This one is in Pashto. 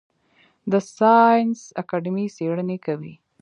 د ساینس اکاډمي څیړنې کوي؟